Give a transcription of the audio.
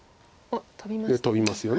でトビますよね。